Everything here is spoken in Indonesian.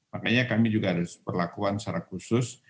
makanya kami juga harus perlakuan secara khusus